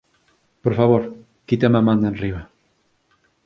Por favor, quítame a man de enriba.